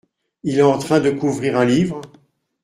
Il est en train de couvrir un livre ?